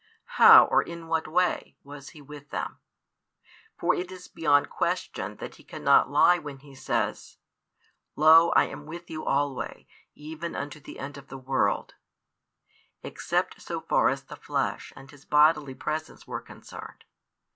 How, or in what way, was He with them? For it is beyond question that He cannot lie when He says, Lo, I am with you alway, even unto the end of the world, except so far as the flesh and His bodily presence were concerned.